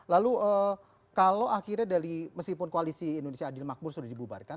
lalu kalau akhirnya dari meskipun koalisi indonesia adil makmur sudah dibubarkan